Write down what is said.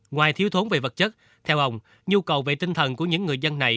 ngoài thiếu thốn về vật chất theo ông nhu cầu về tinh thần của những người dân này